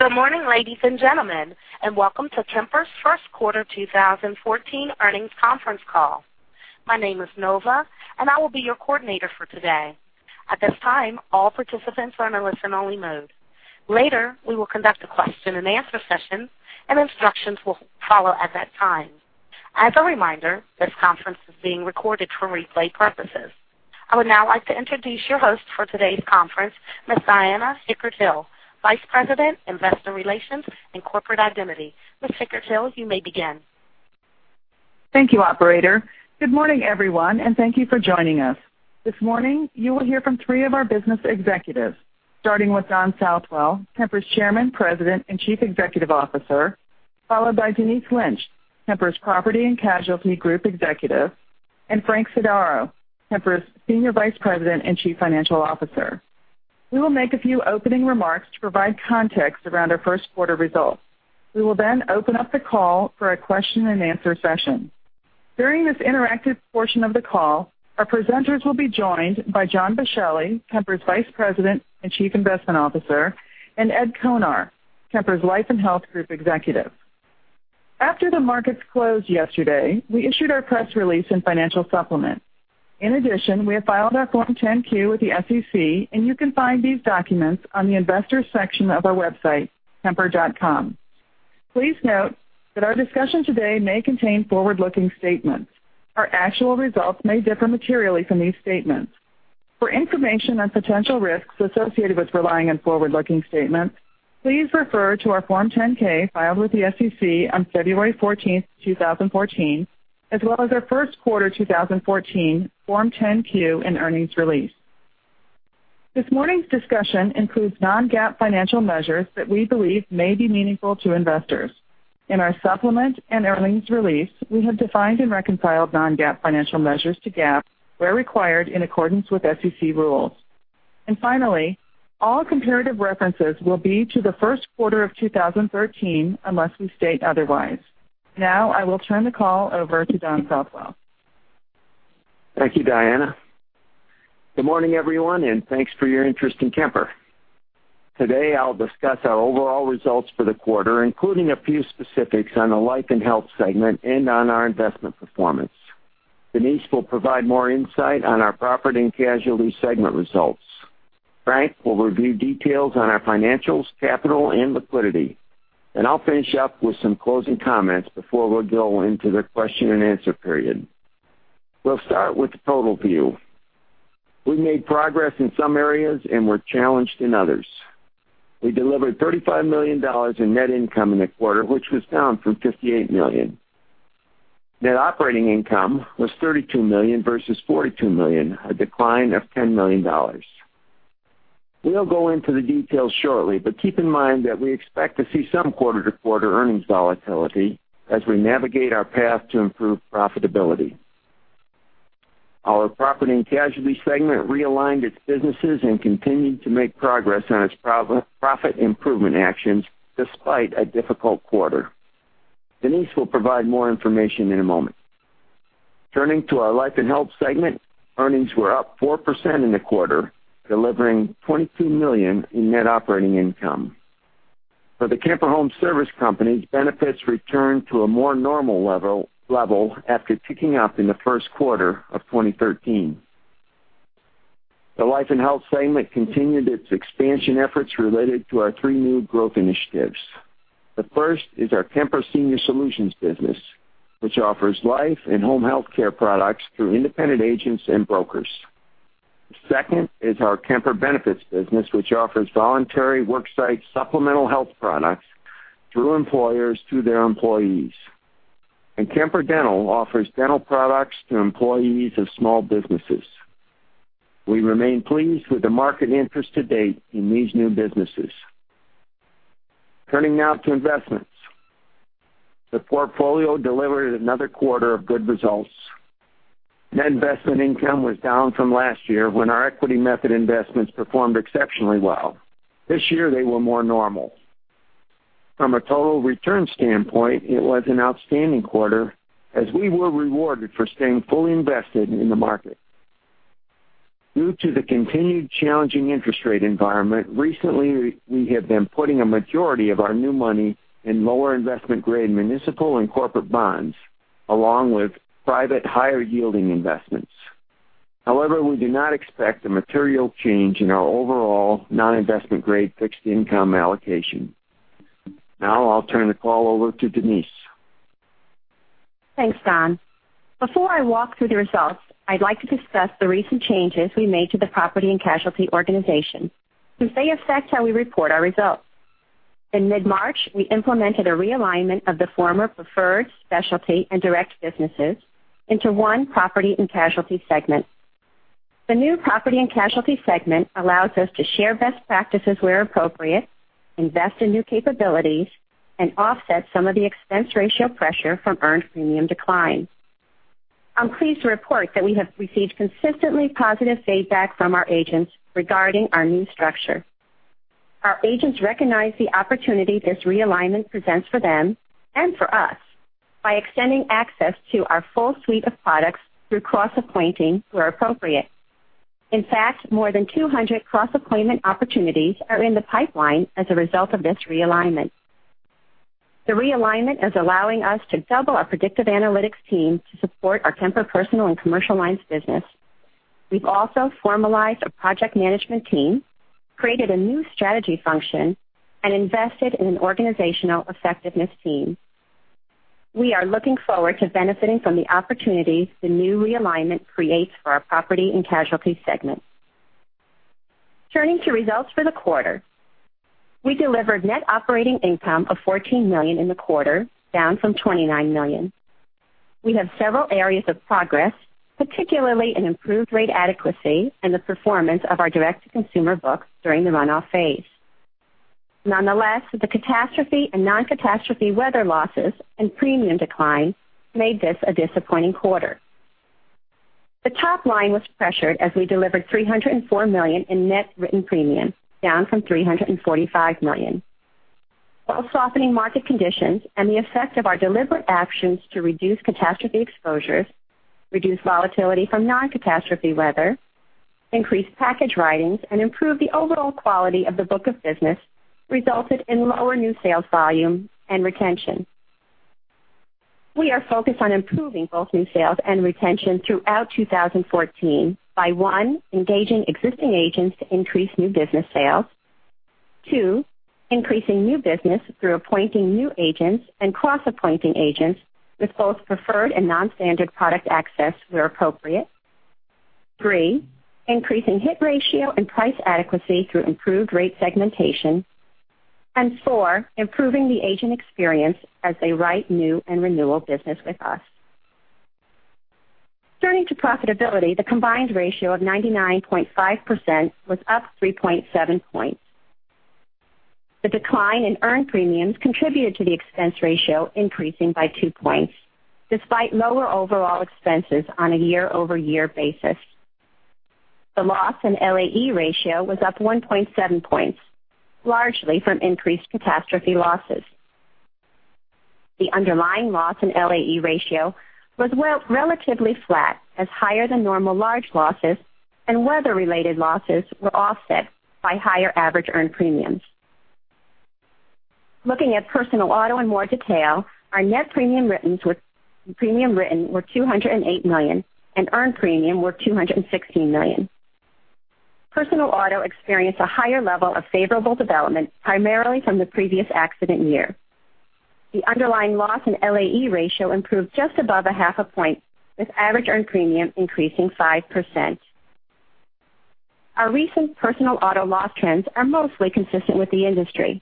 Good morning, ladies and gentlemen, welcome to Kemper's first quarter 2014 earnings conference call. My name is Nova, I will be your coordinator for today. At this time, all participants are in a listen-only mode. Later, we will conduct a question-and-answer session, instructions will follow at that time. As a reminder, this conference is being recorded for replay purposes. I would now like to introduce your host for today's conference, Ms. Diana Hickert-Hill, Vice President, Investor Relations and Corporate Identity. Ms. Hickert-Hill, you may begin. Thank you, operator. Good morning, everyone, thank you for joining us. This morning, you will hear from three of our business executives, starting with Don Southwell, Kemper's Chairman, President, and Chief Executive Officer, followed by Denise Lynch, Kemper's Property and Casualty Group Executive, Frank Sodaro, Kemper's Senior Vice President and Chief Financial Officer. We will make a few opening remarks to provide context around our first quarter results. We will open up the call for a question-and-answer session. During this interactive portion of the call, our presenters will be joined by John Boschelli, Kemper's Vice President and Chief Investment Officer, Ed Konar, Kemper's Life and Health Group Executive. After the markets closed yesterday, we issued our press release and financial supplement. In addition, we have filed our Form 10-Q with the SEC, you can find these documents on the investors section of our website, kemper.com. Please note that our discussion today may contain forward-looking statements. Our actual results may differ materially from these statements. For information on potential risks associated with relying on forward-looking statements, please refer to our Form 10-K filed with the SEC on February 14th, 2014, as well as our first quarter 2014 Form 10-Q and earnings release. This morning's discussion includes non-GAAP financial measures that we believe may be meaningful to investors. In our supplement and earnings release, we have defined and reconciled non-GAAP financial measures to GAAP where required in accordance with SEC rules. Finally, all comparative references will be to the first quarter of 2013 unless we state otherwise. Now I will turn the call over to Don Southwell. Thank you, Diana. Good morning, everyone, thanks for your interest in Kemper. Today, I'll discuss our overall results for the quarter, including a few specifics on the life and health segment and on our investment performance. Denise will provide more insight on our property and casualty segment results. Frank will review details on our financials, capital, and liquidity. I'll finish up with some closing comments before we'll go into the question-and-answer period. We'll start with the total view. We made progress in some areas and were challenged in others. We delivered $35 million in net income in the quarter, which was down from $58 million. Net operating income was $32 million versus $42 million, a decline of $10 million. We'll go into the details shortly, but keep in mind that we expect to see some quarter-to-quarter earnings volatility as we navigate our path to improve profitability. Our property and casualty segment realigned its businesses and continued to make progress on its profit improvement actions despite a difficult quarter. Denise will provide more information in a moment. Turning to our life and health segment, earnings were up 4% in the quarter, delivering $22 million in net operating income. For the Kemper Home Service Companies, benefits returned to a more normal level after ticking up in the first quarter of 2013. The life and health segment continued its expansion efforts related to our three new growth initiatives. The first is our Kemper Senior Solutions business, which offers life and home healthcare products through independent agents and brokers. The second is our Kemper Benefits business, which offers voluntary worksite supplemental health products through employers to their employees. Kemper Dental offers dental products to employees of small businesses. We remain pleased with the market interest to date in these new businesses. Turning now to investments. The portfolio delivered another quarter of good results. Net investment income was down from last year when our equity method investments performed exceptionally well. This year, they were more normal. From a total return standpoint, it was an outstanding quarter as we were rewarded for staying fully invested in the market. Due to the continued challenging interest rate environment, recently we have been putting a majority of our new money in lower investment grade municipal and corporate bonds, along with private higher-yielding investments. However, we do not expect a material change in our overall non-investment-grade fixed income allocation. I'll turn the call over to Denise. Thanks, Don. Before I walk through the results, I'd like to discuss the recent changes we made to the property and casualty organization, since they affect how we report our results. In mid-March, we implemented a realignment of the former preferred specialty and direct businesses into one property and casualty segment. The new property and casualty segment allows us to share best practices where appropriate, invest in new capabilities, and offset some of the expense ratio pressure from earned premium declines. I'm pleased to report that we have received consistently positive feedback from our agents regarding our new structure. Our agents recognize the opportunity this realignment presents for them and for us by extending access to our full suite of products through cross-appointing where appropriate. In fact, more than 200 cross-appointment opportunities are in the pipeline as a result of this realignment. The realignment is allowing us to double our predictive analytics team to support our Kemper personal and commercial lines business. We've also formalized a project management team, created a new strategy function, and invested in an organizational effectiveness team. We are looking forward to benefiting from the opportunities the new realignment creates for our property and casualty segment. Turning to results for the quarter. We delivered net operating income of $14 million in the quarter, down from $29 million. We have several areas of progress, particularly in improved rate adequacy and the performance of our direct-to-consumer books during the runoff phase. The catastrophe and non-catastrophe weather losses and premium decline made this a disappointing quarter. The top line was pressured as we delivered $304 million in net written premium, down from $345 million. While softening market conditions and the effect of our deliberate actions to reduce catastrophe exposures, reduce volatility from non-catastrophe weather, increase package writings, and improve the overall quality of the book of business resulted in lower new sales volume and retention. We are focused on improving both new sales and retention throughout 2014 by, one, engaging existing agents to increase new business sales. Two, increasing new business through appointing new agents and cross-appointing agents with both preferred and non-standard product access where appropriate. Three, increasing hit ratio and price adequacy through improved rate segmentation. Four, improving the agent experience as they write new and renewal business with us. Turning to profitability, the combined ratio of 99.5% was up 3.7 points. The decline in earned premiums contributed to the expense ratio increasing by 2 points, despite lower overall expenses on a year-over-year basis. The loss in LAE ratio was up 1.7 points, largely from increased catastrophe losses. The underlying loss in LAE ratio was relatively flat, as higher than normal large losses and weather-related losses were offset by higher average earned premiums. Looking at personal auto in more detail, our net premium written were $208 million and earned premium were $216 million. Personal auto experienced a higher level of favorable development, primarily from the previous accident year. The underlying loss in LAE ratio improved just above a half a point, with average earned premium increasing 5%. Our recent personal auto loss trends are mostly consistent with the industry.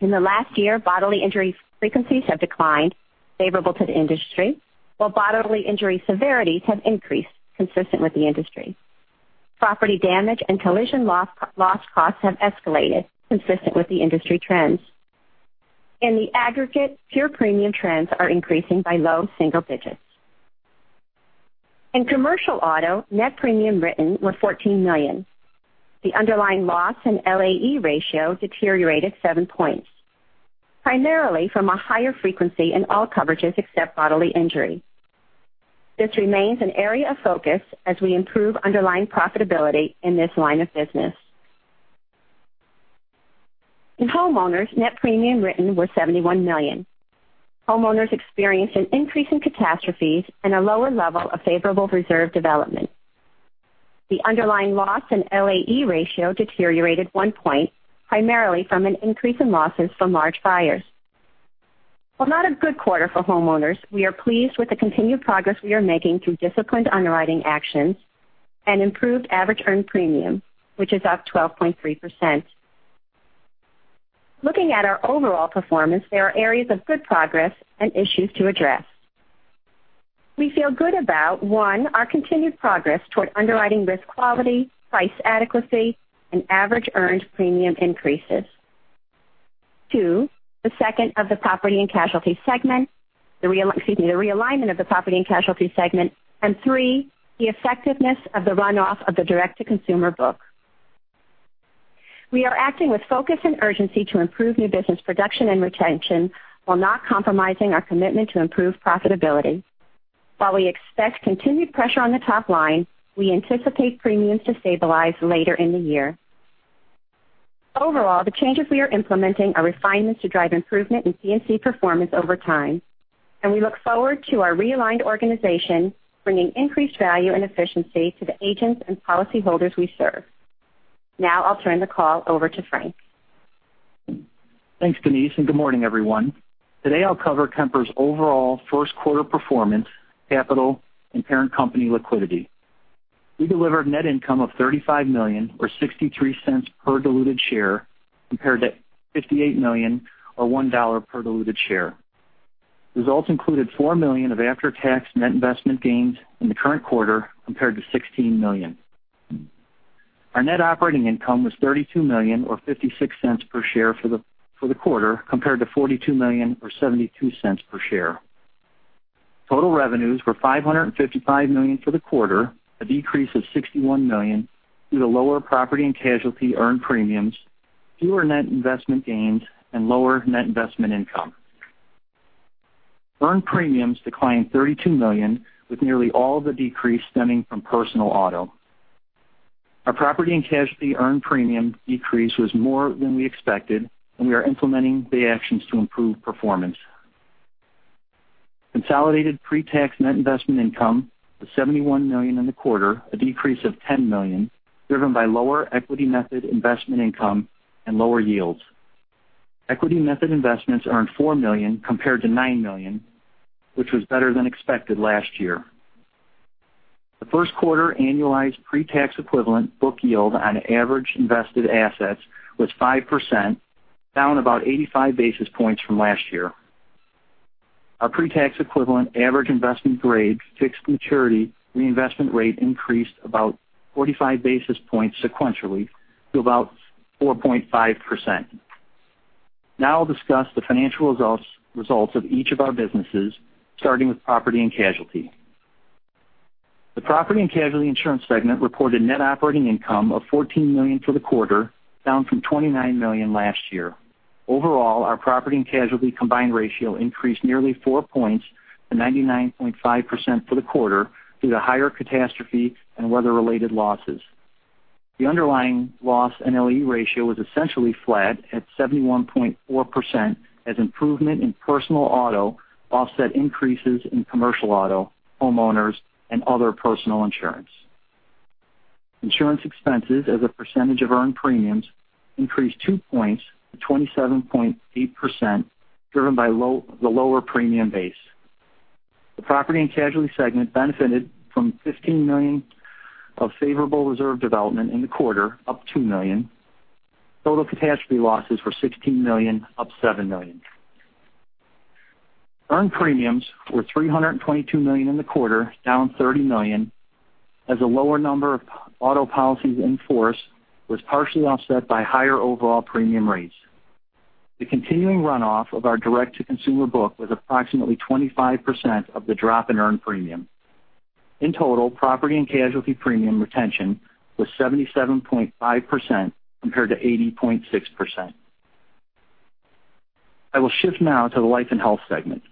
In the last year, bodily injury frequencies have declined favorable to the industry, while bodily injury severities have increased consistent with the industry. Property damage and collision loss costs have escalated consistent with the industry trends. In the aggregate, pure premium trends are increasing by low single digits. In commercial auto, net premium written was $14 million. The underlying loss and LAE ratio deteriorated 7 points, primarily from a higher frequency in all coverages except bodily injury. This remains an area of focus as we improve underlying profitability in this line of business. In homeowners, net premium written was $71 million. Homeowners experienced an increase in catastrophes and a lower level of favorable reserve development. The underlying loss in LAE ratio deteriorated 1 point, primarily from an increase in losses from large fires. While not a good quarter for homeowners, we are pleased with the continued progress we are making through disciplined underwriting actions and improved average earned premium, which is up 12.3%. Looking at our overall performance, there are areas of good progress and issues to address. We feel good about, one, our continued progress toward underwriting risk quality, price adequacy, and average earned premium increases. Two, the realignment of the property and casualty segment. Three, the effectiveness of the direct-to-consumer book. We are acting with focus and urgency to improve new business production and retention while not compromising our commitment to improve profitability. While we expect continued pressure on the top line, we anticipate premiums to stabilize later in the year. Overall, the changes we are implementing are refinements to drive improvement in P&C performance over time, and we look forward to our realigned organization bringing increased value and efficiency to the agents and policyholders we serve. Now, I'll turn the call over to Frank. Thanks, Denise, good morning, everyone. Today, I'll cover Kemper's overall first quarter performance, capital, and parent company liquidity. We delivered net income of $35 million, or $0.63 per diluted share, compared to $58 million or $1 per diluted share. Results included $4 million of after-tax net investment gains in the current quarter, compared to $16 million. Our net operating income was $32 million or $0.56 per share for the quarter, compared to $42 million or $0.72 per share. Total revenues were $555 million for the quarter, a decrease of $61 million due to lower property and casualty earned premiums, fewer net investment gains, and lower net investment income. Earned premiums declined $32 million, with nearly all of the decrease stemming from personal auto. Our property and casualty earned premium decrease was more than we expected, and we are implementing the actions to improve performance. Consolidated pre-tax net investment income was $71 million in the quarter, a decrease of $10 million, driven by lower equity method investment income and lower yields. Equity method investments earned $4 million compared to $9 million, which was better than expected last year. The first quarter annualized pre-tax equivalent book yield on average invested assets was 5%, down about 85 basis points from last year. Our pre-tax equivalent average investment-grade fixed maturity reinvestment rate increased about 45 basis points sequentially to about 4.5%. I'll discuss the financial results of each of our businesses, starting with property and casualty. The property and casualty insurance segment reported net operating income of $14 million for the quarter, down from $29 million last year. Overall, our property and casualty combined ratio increased nearly four points to 99.5% for the quarter due to higher catastrophe and weather-related losses. The underlying loss and LAE ratio was essentially flat at 71.4% as improvement in personal auto offset increases in commercial auto, homeowners, and other personal insurance. Insurance expenses as a percentage of earned premiums increased two points to 27.8%, driven by the lower premium base. The property and casualty segment benefited from $15 million of favorable reserve development in the quarter, up $2 million. Total catastrophe losses were $16 million, up $7 million. Earned premiums were $322 million in the quarter, down $30 million, as a lower number of auto policies in force was partially offset by higher overall premium rates. The continuing runoff of our direct-to-consumer book was approximately 25% of the drop in earned premium. In total, property and casualty premium retention was 77.5% compared to 80.6%. I will shift now to the life and health segment.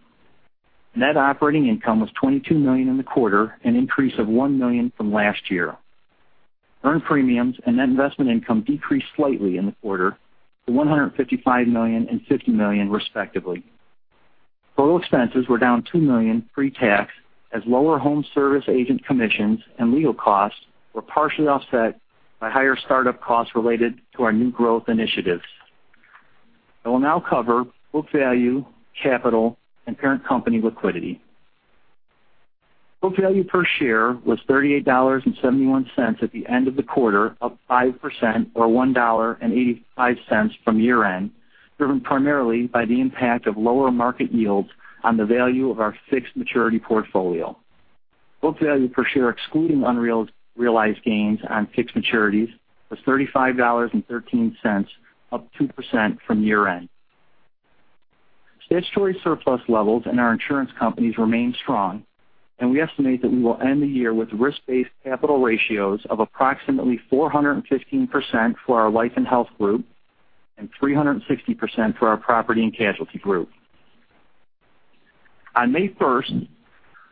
Net operating income was $22 million in the quarter, an increase of $1 million from last year. Earned premiums and net investment income decreased slightly in the quarter to $155 million and $50 million, respectively. Total expenses were down $2 million pre-tax as lower home service agent commissions and legal costs were partially offset by higher startup costs related to our new growth initiatives. I will now cover book value, capital, and parent company liquidity. Book value per share was $38.71 at the end of the quarter, up 5% or $1.85 from year-end, driven primarily by the impact of lower market yields on the value of our fixed maturity portfolio. Book value per share excluding unrealized gains on fixed maturities was $35.13, up 2% from year-end. Statutory surplus levels in our insurance companies remain strong, we estimate that we will end the year with risk-based capital ratios of approximately 415% for our life and health group and 360% for our property and casualty group. On May 1st,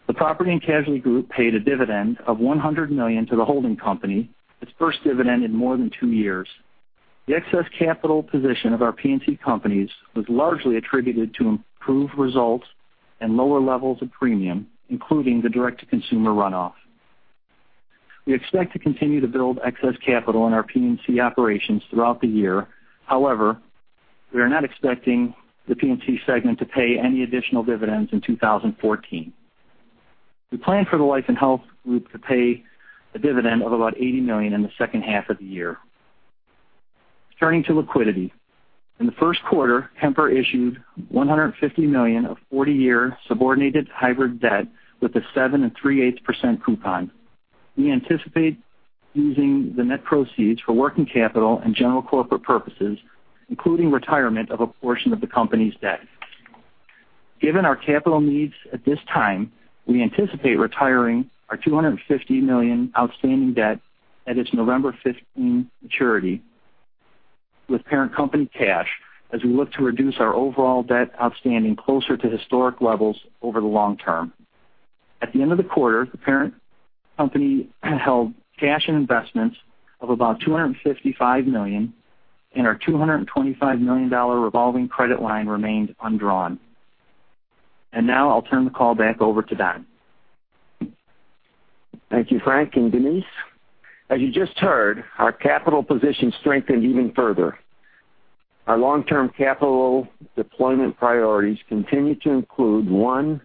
the property and casualty group paid a dividend of $100 million to the holding company, its first dividend in more than two years. The excess capital position of our P&C companies was largely attributed to improved results and lower levels of premium, including the direct-to-consumer runoff. We expect to continue to build excess capital in our P&C operations throughout the year. However, we are not expecting the P&C segment to pay any additional dividends in 2014. We plan for the life and health group to pay a dividend of about $80 million in the second half of the year. Turning to liquidity. In the first quarter, Kemper issued $150 million of 40-year subordinated hybrid debt with a 7.375% coupon. We anticipate using the net proceeds for working capital and general corporate purposes, including retirement of a portion of the company's debt. Given our capital needs at this time, we anticipate retiring our $250 million outstanding debt at its November 15 maturity with parent company cash as we look to reduce our overall debt outstanding closer to historic levels over the long term. At the end of the quarter, the parent company held cash and investments of about $255 million, and our $225 million revolving credit line remained undrawn. Now I'll turn the call back over to Don. Thank you, Frank and Denise. As you just heard, our capital position strengthened even further. Our long-term capital deployment priorities continue to include, 1,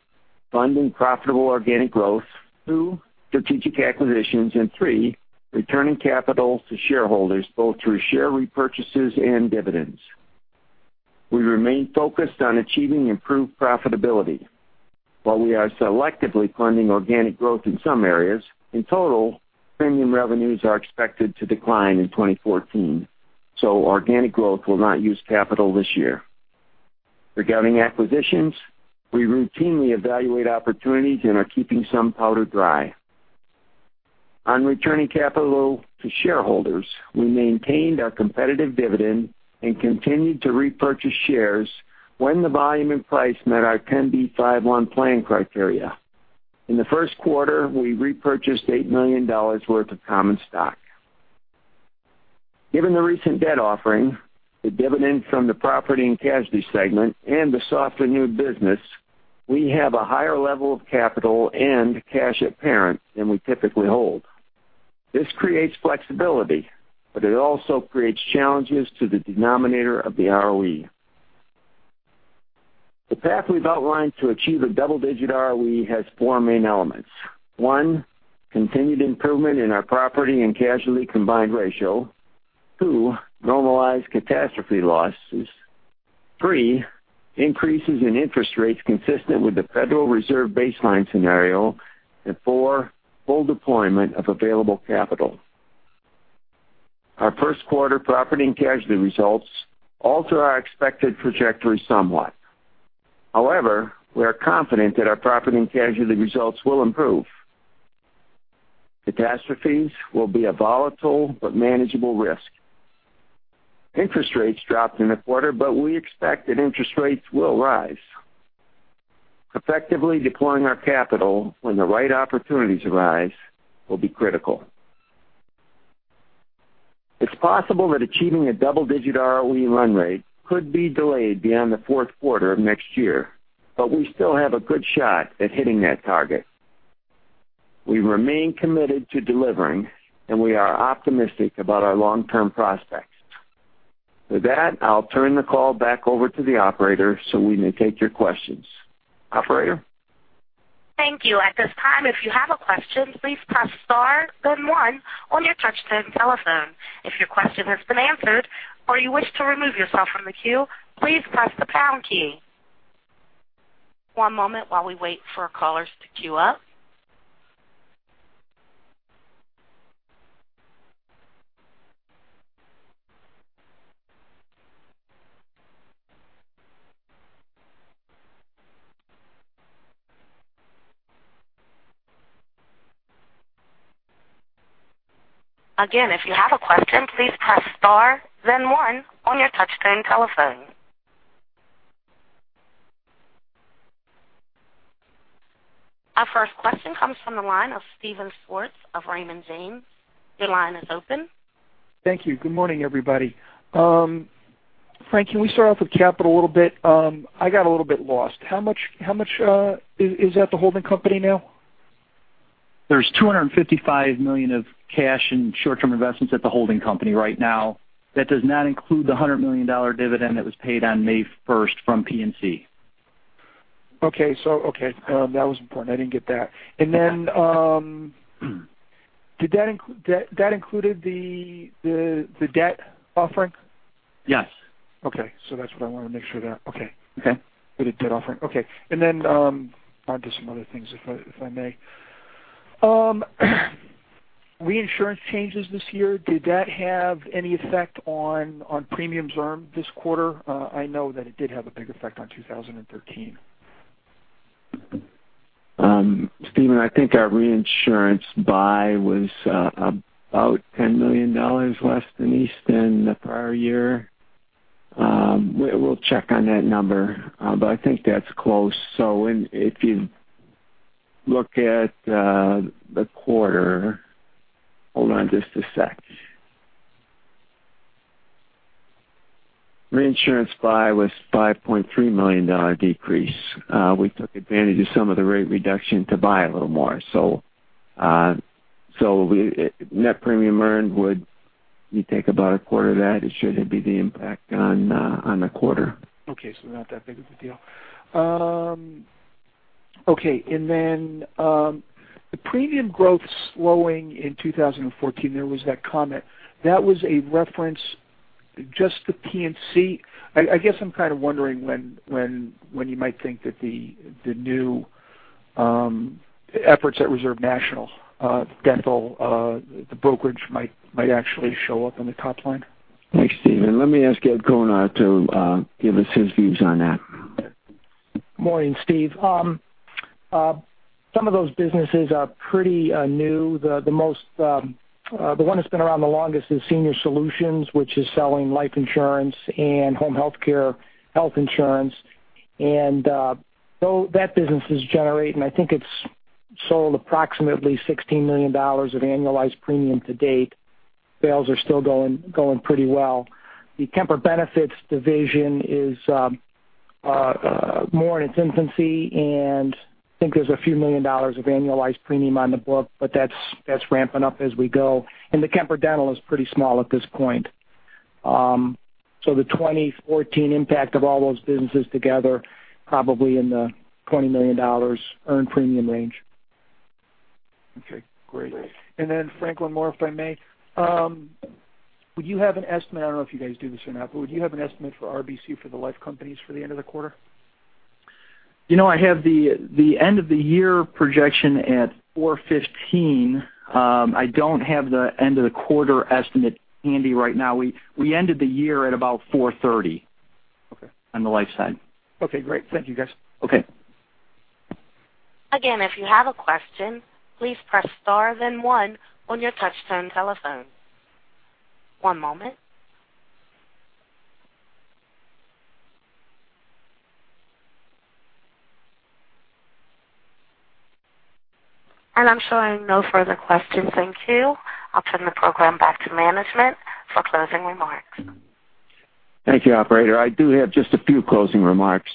funding profitable organic growth, 2, strategic acquisitions, and 3, returning capital to shareholders, both through share repurchases and dividends. We remain focused on achieving improved profitability. While we are selectively funding organic growth in some areas, in total, premium revenues are expected to decline in 2014, organic growth will not use capital this year. Regarding acquisitions, we routinely evaluate opportunities and are keeping some powder dry. On returning capital to shareholders, we maintained our competitive dividend and continued to repurchase shares when the volume and price met our 10b5-1 plan criteria. In the first quarter, we repurchased $8 million worth of common stock. Given the recent debt offering, the dividend from the property and casualty segment, and the softer new business, we have a higher level of capital and cash at parent than we typically hold. This creates flexibility, it also creates challenges to the denominator of the ROE. The path we've outlined to achieve a double-digit ROE has four main elements. 1, continued improvement in our property and casualty combined ratio. 2, normalized catastrophe losses. 3, increases in interest rates consistent with the Federal Reserve baseline scenario. 4, full deployment of available capital. Our first quarter property and casualty results alter our expected trajectory somewhat. However, we are confident that our property and casualty results will improve. Catastrophes will be a volatile but manageable risk. Interest rates dropped in the quarter, we expect that interest rates will rise. Effectively deploying our capital when the right opportunities arise will be critical. It's possible that achieving a double-digit ROE run rate could be delayed beyond the fourth quarter of next year, but we still have a good shot at hitting that target. We remain committed to delivering, and we are optimistic about our long-term prospects. With that, I'll turn the call back over to the operator so we may take your questions. Operator? Thank you. At this time, if you have a question, please press star then one on your touch-tone telephone. If your question has been answered or you wish to remove yourself from the queue, please press the pound key. One moment while we wait for callers to queue up. Again, if you have a question, please press star then one on your touch-tone telephone. Our first question comes from the line of Steven Schwartz of Raymond James. Your line is open. Thank you. Good morning, everybody. Frank, can we start off with capital a little bit? I got a little bit lost. How much is at the holding company now? There's $255 million of cash and short-term investments at the holding company right now. That does not include the $100 million dividend that was paid on May 1st from P&C. Okay. That was important. I didn't get that. Did that include the debt offering? Yes. Okay. That's what I wanted to make sure. Okay. Okay. With the debt offering. Okay. On to some other things, if I may. Reinsurance changes this year, did that have any effect on premiums earned this quarter? I know that it did have a big effect on 2013. Steven, I think our reinsurance buy was about $10 million less than the prior year. We'll check on that number, but I think that's close. If you look at the quarter, hold on just a sec. Reinsurance buy was a $5.3 million decrease. We took advantage of some of the rate reduction to buy a little more. Net premium earned, would you take about a quarter of that? It should be the impact on the quarter. Okay, not that big of a deal. Okay. The premium growth slowing in 2014, there was that comment. That was a reference to just the P&C? I guess I'm kind of wondering when you might think that the new efforts at Kemper Dental, the brokerage might actually show up in the top line. Thanks, Steven. Let me ask Ed Konar to give us his views on that. Morning, Steve. Some of those businesses are pretty new. The one that's been around the longest is Senior Solutions, which is selling life insurance and home healthcare, health insurance. That business is generating, I think it's sold approximately $16 million of annualized premium to date. Sales are still going pretty well. The Kemper Benefits division is more in its infancy, and I think there's a few million dollars of annualized premium on the book, but that's ramping up as we go. The Kemper Dental is pretty small at this point. The 2014 impact of all those businesses together, probably in the $20 million earned premium range. Okay, great. Frank, one more if I may. Would you have an estimate, I don't know if you guys do this or not, but would you have an estimate for RBC for the life companies for the end of the quarter? I have the end-of-the-year projection at $415 million. I don't have the end-of-the-quarter estimate handy right now. We ended the year at about $430 million. Okay. On the life side. Okay, great. Thank you, guys. Okay. Again, if you have a question, please press star then one on your touch-tone telephone. One moment. I'm showing no further questions. Thank you. I'll turn the program back to management for closing remarks. Thank you, operator. I do have just a few closing remarks.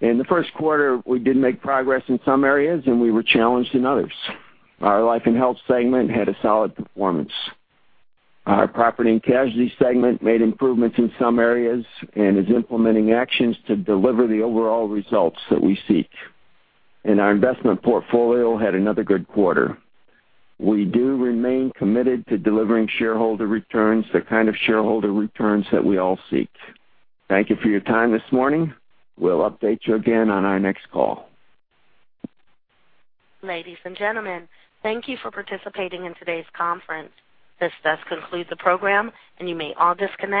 In the first quarter, we did make progress in some areas, and we were challenged in others. Our life and health segment had a solid performance. Our property and casualty segment made improvements in some areas and is implementing actions to deliver the overall results that we seek. Our investment portfolio had another good quarter. We do remain committed to delivering shareholder returns, the kind of shareholder returns that we all seek. Thank you for your time this morning. We'll update you again on our next call. Ladies and gentlemen, thank you for participating in today's conference. This does conclude the program, and you may all disconnect.